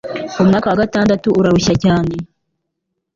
Umwaka wa gatandatu urarushya cyane